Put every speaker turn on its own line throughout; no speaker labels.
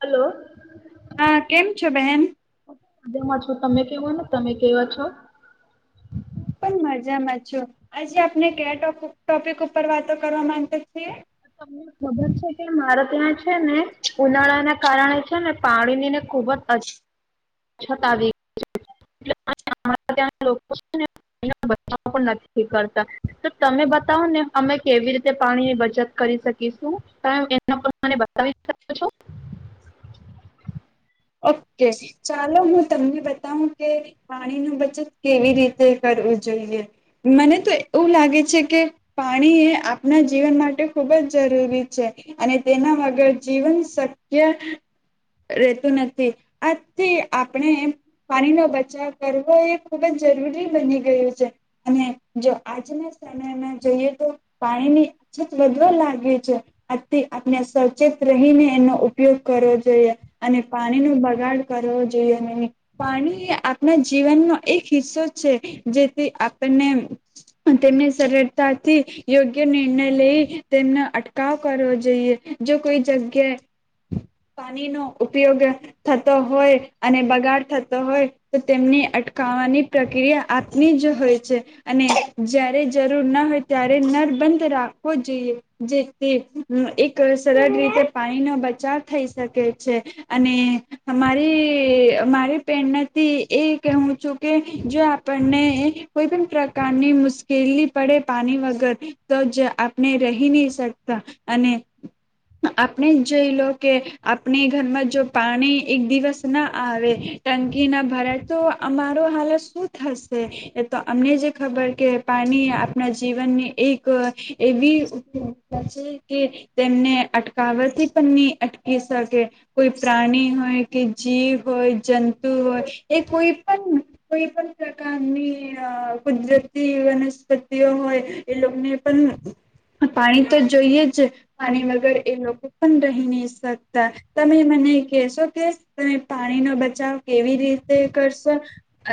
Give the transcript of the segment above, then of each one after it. Hello.
હા કેમ છો બેહેન.
બધમાં છું તમે કેવું ને તમે કેવા છો.
હું પણ મજામાં છું આજે આપને કયા ટોપિક ઉપર વાતો કરવા માંગે છએ.
તમને ખબર છે કે મારે ત્યાં છે ને ઉનાળાના કારણે છે ને પાણી ની ને ખુબ જ. અછત આવી ગ ત્યાં નથી કરતા તો તમે બતાવોને અમે કેવી રીતે પાણીની બચત કરી શકીશું એ બતાવીકો છો.
ઓકે ચાલો હું તમને બતાવું કે પાણી ન બચત. કેવી રીતે કરવું. જોઈએ મને તો એવું લાગે છે કે પાણી એ આપણા જીવન માટે ખુબ જ જરૂરી છે અને તેના વગર જીવન શક્ય રહેતું નથી. આજથી આપણે પાણીનોો બચાવ કરવો એ ખુબ જ જરૂરી બની ગયું છે અને જો આજના સમયમાં જઈએ તો પાણીની અછત વધવા લાગી છે આજથી આપણે સચેત રહીને એનો ઉપયોગ કરવો જોઈએ અને પાણી ન બગાડ કરવો જોઈએ નહીં પાણી એ આપણા જીવનનો એક હિસ્સો છે જેથી આપણને તેમની સરળતાથી યોગ્ય નિર્ણય લઈ તેમનો અટકાવ કરવો જોઈએ જો કોઈ જગ્યાએ પાણીનો ઉપયોગ થતો હોય અને બગાડ થતો હોય તો તેમને અટકાવવાની પ્રક્રિયા આપની જ હોય છે અને જારે જરૂર ના હોય ત્યારે નરબંધ રાખવો જોઈએ જેથી એક સરળ રીતે પાણીનોો બચાવ થઈ શકે છે. અને અમારી મામારી પ્રેરણાથી એ કવું છું કે જો આપણને કોઈ પણ પ્રકારની મુશ્કેલી પડે પાણી વગર તો જ આપણે રહી નહી શકતા અને આપણે જ જઈ લો કે આપણી ઘરમાં જો પાણી એક દિવસ ના આવે ટંકી ના ભરાય તો અમારો હાલત શું થશે એ તો અમને જે ખબર કે પાણી આપણા જીવનની એક અ એવી ઉપભોક્તા છે કે તેમને અટકાવાથી પણ ની અટકી શકે. કોઈ પ્રાણી હોય કે જીવ હોય, જંતુ હોય એ કોઈ પણ કોઈ પણ પ્રકારની અ કુદરતી વનસ્પતિઓ હોય એ લોકોને પણ પાણી તો જોઈએ જ. પાણી વગર એ લોકો પણ રહી નહી શકતા. તમે મને કહેશો કે તમે પાણીનો બચાવ કેવી રીતે કરશો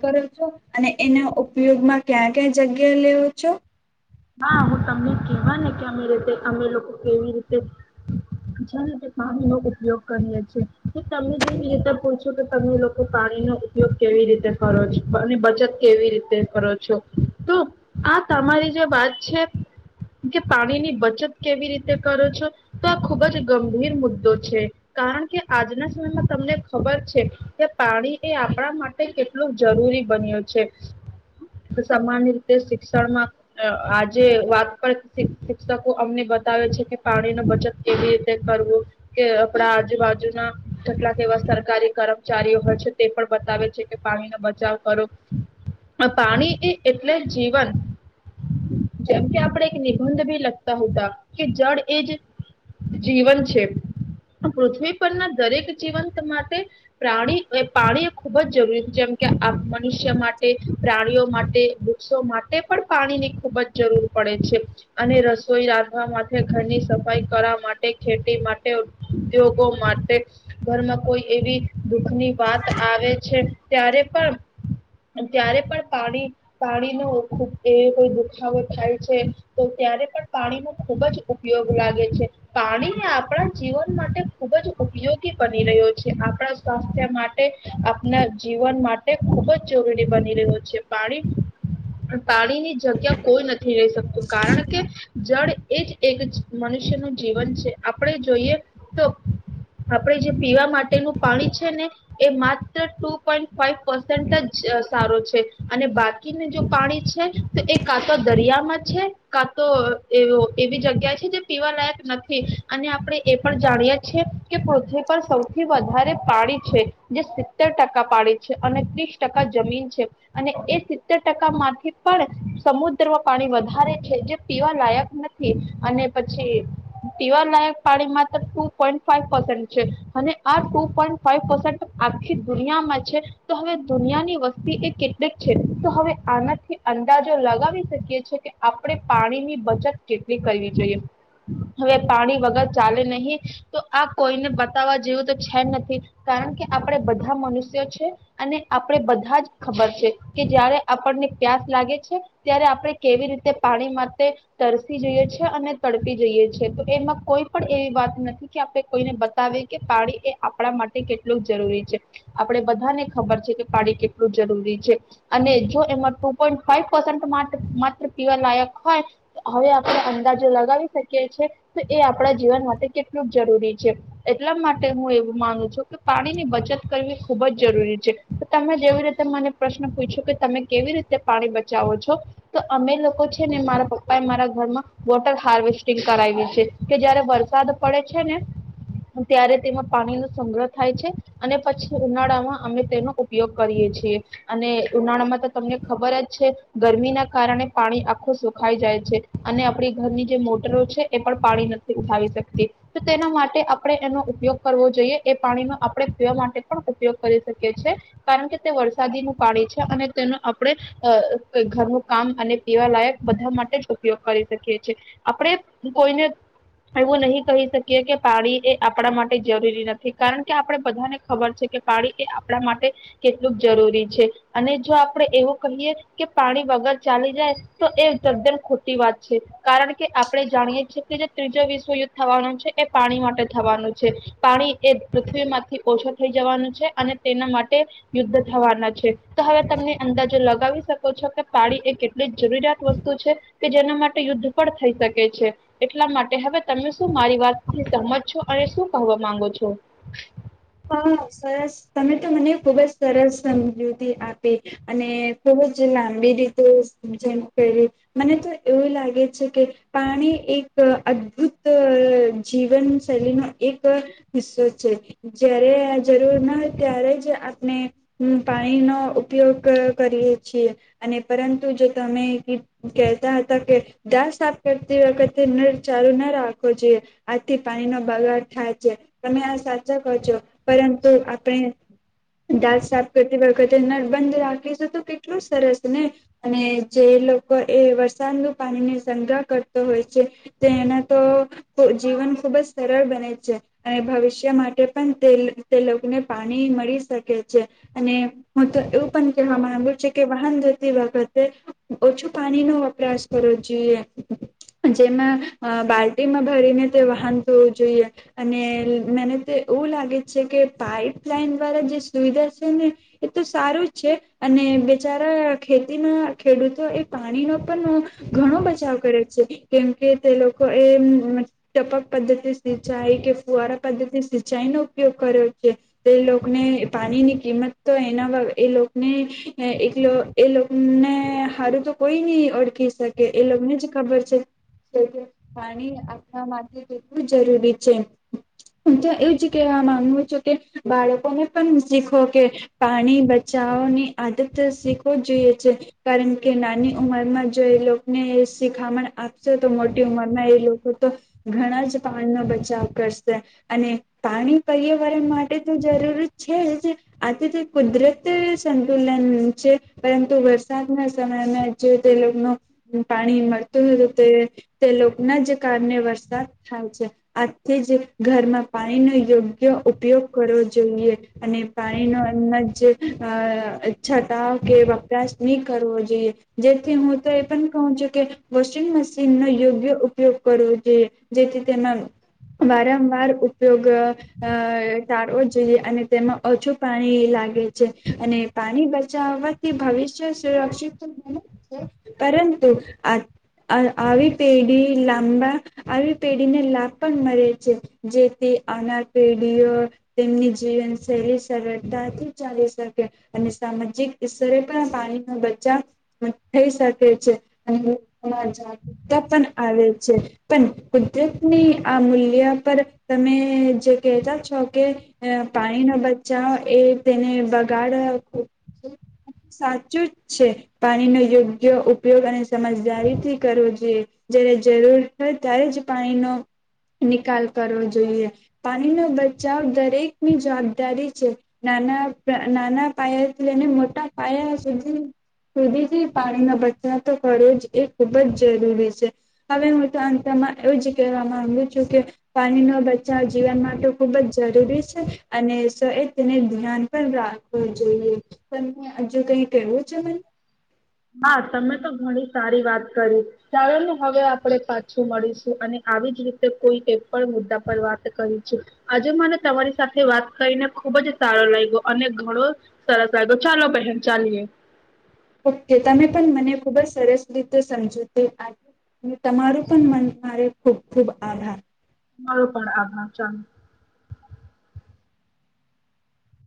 કરો છો? અને એનો ઉપયોગમાં ક્યાં ક્યા જગ્યા લેવો છો?
હા, હું તમને કેવા ને કે અમે રીતે અમે લોકો કેવી રીતે રીતે પાણીનો ઉપયોગ કરીએ છીએ કે તમે જેવી રીતે પૂછો કે તમે લોકો પાણીનો ઉપયોગ કેવી રીતે કરો છો અને બચત કેવી રીતે કરો છો તો આ તમારી જે વાત છે કે પાણીની બચત કેવી રીતે કરો છો તો આ ખુબ જ ગંભીર મુદ્દો છે કારણ કે આજના સમયમાં તમને ખબર છે કે પાણી એ આપણા માટે કેટલું જરૂરી બન્યું છે. સામાન્ય રીતે શિક્ષણમાં અ આજે વાત પર શિક્ષકો અમને બતાવે છે કે પાણી નું બચત કેવી રીતે કરવું કે આપણા આજુબાજુના કેટલાક એવા સરકારી કર્મચારીઓ હોય છે તે પણ બતાવે છે કે પાણીનો બચાવ કરો. પાણી એ એટલે જીવન. જેમ કે આપણે એક નિબંધ ભી લખતા હતા કે જળ એ જ જીવન છે પૃથ્વી પરના દરેક જીવંત માટે પ્રાણી એ પાણી ખૂબ જ જરૂરી જેમકે મનુષ્ય માટે, પ્રાણીઓ માટે, વૃક્ષો માટે પણ પાણી ની ખૂબ જ જરૂર પડે છે અને રસોઈ રાંધવા માટે, ઘરની સફાઈ કરવા માટે, ખેતી માટે, ઉદ્યોગો માટે ઘરમાં કોઈ એવી દુખની વાત આવે છે ત્યારે પણ ત્યારે પણ પાણી પાણીનું ખૂબ એ કોઈ દુખાવો થાય છે તો ત્યારે પણ પાણીનો ખૂબ જ ઉપયોગ લાગે છે. પાણી આપણા જીવન માટે ખૂબ જ ઉપયોગી બની રહ્યો છે આપણા સ્વાસ્થ્ય માટે આપણા જીવન માટે ખૂબ જ જરૂરી બની રહ્યો છે. પાણી પાણી ની જગ્યા કોઈ નથી રહી શકતું કારણ કે જળ એ જ એક મનુષ્યનું જીવન છે આપણે જોઈએ તો આપણે જે પીવા માટેનું પાણી છે ને એ માત્ર ટુ પોઈન્ટ ફાઈવ પસેન્ટ જ સારો છે અને બાકીને જો પાણી છ એ કા તો દરિયામાં છે કા તો એ એવી જગ્યા છે જે પીવા લાયક નથી અને આપણે એ પણ જાણીએ છીએ કે પૃથ્વી પર સૌથી વધારે પાડી છે જે સિત્તેર ટકા પાડી છે અને ત્રીસ ટકા જમીન છે અને એ સિત્તેર ટકા માંથી પણ સમુદ્ર પાણી વધારે છે જે પીવા લાયક નથી અને પછી પીવા લાયક પાણી માત્ર ટુ પોઈન્ટ ફાઈવ પર્સન્ટ છે અને આ ટુ પોઈન્ટ ફાઈવ પસન્ટ આખી દુનિયામાં છે. તો હવે દુનિયાની વસ્તી એ કેટલીક છે તો હવે આનાથી અંદાજો લગાવી શકીએ છીએ કે આપણે પાણીની બચત કેટલી કરવી જોઈએ. હવે પાણી વગર ચાલે નહીં તો આ કોઈને બતાવવા જેવું તો છે જ નથી કારણ કે આપણે બધા મનુષ્યો છે અને આપણે બધા જ ખબર છે કે જયારે આપણને પ્યાસ લાગે છે ત્યારે આપણે કેવી રીતે પાણી માટે તરસી જઈએ છે અને તડપી જઈએ છે તો એમાં કોઈ પણ એ વાત નથી કે આપણે કોઈને બતાવી કે પાણી એ આપણા માટે કેટલું જરૂરી છે. આપડે બધાને ખબર છે કે પાણી કેટલું જરૂરી છે અને જો એમાં ટ પોઇન્ટ ફાઈવ પ માત્ર પીવા લાયક હોય તો હવે આપણે અંદાજો લગાવી શકીએ છે તો એ આપણા જીવન માટે કેટલું જરૂરી છે. એટલા માટે હું એવું માનું છું કે પાણી ની બચત કરવી ખુબ જ જરૂરી છે તમે જેવી રીતે મને પ્રશ્ન પૂછો કે તમે કેવી રીત પાણી બચાવો છો તો અમે લોકો છે ને મારા પપ્પા એ મારા ઘરમાં વોટર હાર્વેસ્ટિંગ કરાયવુ છે કે જયારે વરસાદ પડે છે ને ત્યારે તેમાં પાણી નો સંગ્રહ થાય છે અને પછી ઉનાળામાં અમે તેનો ઉ ઉપયોગ કરીએ છીએ. અને ઉનાળામાં તો તમને ખબર જ છે. ગરમી ના કારણે પાણી આખું સુખાઈ જાય છે અને આપણી ઘરની જે મોટરો છે એ પણ પાણી નથી ઉઠાવી શકતી તો તેના માટે આપણે એનો ઉપયોગ કરવો જોઈએ એ પાણીનો આપણે પીવા માટે પણ ઉપયોગ કરી શકીએ છીએ કારણ કે તે વરસાદીનું પાણી છે અને તેનો આપડે અ ઘરનું કામ અને પીવા લાયક બધા માટે જ ઉપયોગ કરી શકીએ છે. આપણે કોઈને એવું નહી કહી શકીએ કે પાડી એ આપણા માટે જરૂરી નથી કારણ કે આપણે બધાને ખબર છે કે પાણી એ આપણા માટે કેટલુંક જરૂરી છે. અને જો આપણે એવું કહીએ કે પાણી વગર ચાલી જાય તો એ તદ્દન ખોટી વાત છે કારણ કે આપણે જાણીએ છી કે જે ત્રીજો વિશ્વયુદ્ધ થવાનું છે એ પાણી માટે થવાનું છે. પાણી એ પૃથ્વી માંથી ઓછો થઈ જવાનું છે અને તેના માટે યુદ્ધ થવાના છે. તો હવે તમને અંદર લગાવી શકો છો કે પાણી એ કેટલી જરૂરિયાત વસ્તુ છે કે જેના માટે યુદ્ધ પણ થઈ શકે છે. એટલા માટે હવે તમે સુ હુ મારી વાતથી સમજ છો. અને શું કહવા માંગો છો?
હા સરસ તમે તો મને ખુબ જ સરસ સમજૂતી આપી અને ખુબ જ લાંબી રીતે જેમ કરી મને તો એવું લાગે છે કે પાણી એક અદ્ભુત જીવન શૈલીનો એક હિસ્સો છે. જયારે આ જરૂર ના ત્યારે જ આપણે પાણીનો ઉપયોગ ક ક કરીએ છીએ અને પરંતુ જો તમે કહેતા હતા કે દાત સાફ કરતી વખતે નળ ચાલુ ના રાખો જોઈએ આથી પાણીનો બગાડ થાય છે. તમે આ સા ચ કહો છો પરંતુ આપણે દાંત સાફ કરતી વખતે નળ બંધ રાખીશું તો કેટલું સરસ ને અને જે લોકો એ વરસાદનું પાણીને સંગ્રહ કરતો હોય છે તે એના તો જીવન ખુબ જ સરળ બને છે. અને ભવિષ્ય માટે પણ તે તે લોકોને પાણી મળી શકે છે. અને હું તો એવું પણ કહેવા માંગુ છુ કે વાહન ધોતી વખતે ઓછું પાણી નો વપરાશ કરવો જોઈએ જેમાં બાલ્ટીમાં ભરીને તે વાહન ધોવું જોઈએ. અને મેને એવું લાગે છે કે પાઈપ લાઈન દ્વારા જે સુવિધા છે ને એ તો સારું જ છે અને બેિચારા ખેતીમાં ખેડૂતો એ પાણીનો પણ ઘણો બચાવ કરે છે. કેમ કે તે લોકો એ ટપક પદ્ધતિ સિંચાઈ કે ફુવારા પદ્ધતિ સી- ચાઈ નો ઉપયોગ કર્યો છે તો એ લોકોને પાણીની કિંમત તો એના એ લોકોને એ લોકોને હારું તો કોઈ નહી ઓળખી શકે એ લોકોને જ ખબર છે પાણી આપણા માટે કેટલું જરૂરી છે. તો એ ચ કવા માંગુ છું કે બાળકોને પણ શીખો કે પાણી બચાવવાની આદત શીખવું જોઈએ છે કારણ કે નાની ઉંમરમાં જો એ લોકોને શીખામણ આપશે તો મોટી ઉંમરમાં એ લોકો તો ઘણા જ પાણીનો બચાવ કરશે. અને પાણી પર્યાવરણ માટે તો જરૂરી છે જ આથીથી કુદરત સંતુલન છે પરંતુ વરસાદના સમયમાં જે તે લોકોનું પાણી મળતું હતું તે તે લોકોના જ કારણે વરસાદ થાય છે. આજથી જ ઘરમાં પાણીનો યોગ્ય ઉપયોગ કરવો જોઈએ. અને પાણીનો એમ જ અ છટાવ કે વપરાશ નહી કરવો જોઈએ જેથી હું તો એ પણ કહું છું કે વોશિંગ મશીન નો યોગ્ય ઉપયોગ કરવો જોઈએ જેથી તેમાં વારંવાર ઉ પયોગ અ સારવો જોઈએ અને તેમાં ઓછું પાણી લાગે છે અને પાણી બચાવવાથી ભવિષ્ય સુરક્ષિત બને છે. પરંતુ આવી પેઢી લાંબા આવી પેઢીને લાભ પણ મળે છે જે તે આનાર પેઢીઓ તેમની જીવનશૈલી સરળતાથી ચાલી શકે અને સામાજિક સ્ઈતરે પણ પાણી ન બચાવ થઈ શકે છે અને જાગૃતતા પણ આવે છે. પણ કુદરતની આ મૂલ્ય પર તમે જે કહેતા છો કે પાણીનો બચાવ એ તેને બગાડ સાચું જ છે પાણીનો યોગ્ય ઉપયોગ અને સમજદારીથી કરવો જોઈએ. જયારે જરૂર હોય ત્યારે જ પાણીનો નિકાલ કરવો જોઈ. જોઈએ પાણીનો બચાવ દરેકની જવાબદારી છે નાના નાના પાયાથી લઈને મોટા પાયા સુધી સુધીથી પાણીનો બચાવ તો કરો જ એ ખુબ જ જરૂરી છે. હવે હું તો અંતમાં એવું જ કહેવા માંગુ છું કે પાણીનો બચાવ જીવન માટે ખુબ જ જરૂરી છે અને સ એ તેને ધ્યાન પણ રાખવુ જોઈએ તને હજુ કઈ કેવું છે મને.
હા તમે તો ઘણી સારી વાત કરી ચાલોને હવે આપણે પાછું મળીશું અને આવી જ રીતે કોઈ એક પણ મુદ્દા પર વાત કરીશું આજે મને તમારી સાથે વાત કરીને ખુબ જ સારો લાગ્યો અને ઘણો સરસ લાયગો ચાલો બહેન ચાલીએ.
ઓકે તમે પણ મને ખુબ જ સરસ રીતે સમજૂતી આપ્યું તમારું પણ મન મારે ખૂબ ખૂબ આભાર.
તમારો પણ આભાર ચાલુ.